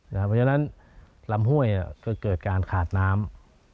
เพราะฉะนั้นลำห้วยก็เกิดการขาดน้ำ